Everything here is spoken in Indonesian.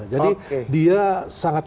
jadi dia sangat